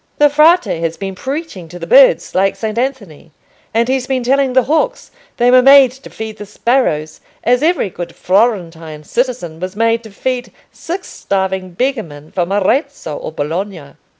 "The Frate has been preaching to the birds, like Saint Anthony, and he's been telling the hawks they were made to feed the sparrows, as every good Florentine citizen was made to feed six starving beggar men from Arezzo or Bologna.